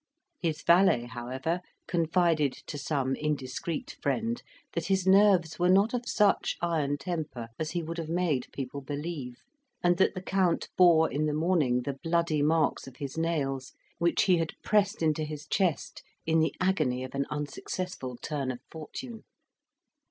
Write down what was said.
His valet, however, confided to some indiscreet friend that his nerves were not of such iron temper as he would have made people believe, and that the count bore in the morning the bloody marks of his nails, which he had pressed into his chest in the agony of an unsuccessful turn of fortune.